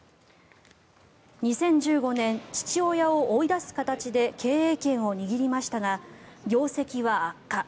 ２０１５年父親を追い出す形で経営権を握りましたが業績は悪化。